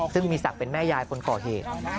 ซึ่งมีศักดิ์เป็นแม่ยายคนก่อเหตุ